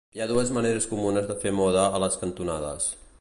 Hi ha dues maneres comunes de fer moda a les cantonades.